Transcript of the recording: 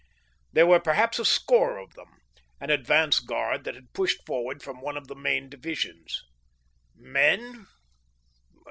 There were perhaps a score of them, an advance guard that had pushed forward from one of the main divisions. Men?